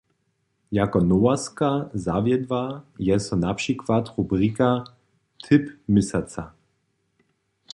Jako nowostka zawjedła je so na přikład rubrika „Tip měsaca“.